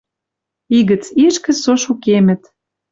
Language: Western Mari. И гӹц ишкӹ со шукемӹт